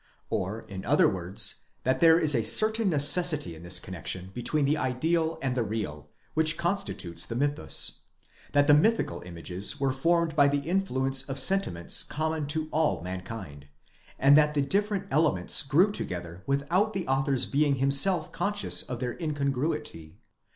Orin other words, that there is a certain necessity in this connexion between the ideal and the real, which constitutes the mythus; that the mythical images were formed by the influence of sentiments common to all mankind; and that the different elements grew together without the author's being himself conscious of their incongruity.